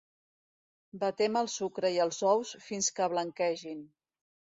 Batem el sucre i els ous fins que blanquegin.